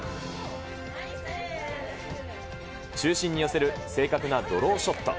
中心に寄せる正確なドローショット。